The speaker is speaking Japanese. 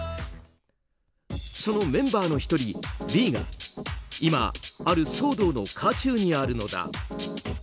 そのメンバーの１人、Ｖが今、ある騒動の渦中にあるのだ。